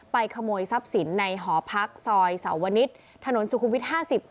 ไปขโมยทรัพย์สินในหอพักซอยสาวนิทถนนสุคุมวิทห์ห้าสิบ